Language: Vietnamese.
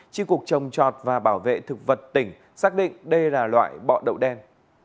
chi cục trồng trọt và bảo vệ thực vật tỉnh xác định đây là loại bọ đậu đen